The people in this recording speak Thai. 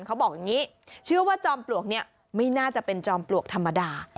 เขาบอกอย่างนี้เชื่อว่าจอมปลวกนี้ไม่น่าจะเป็นจอมปลวกธรรมดา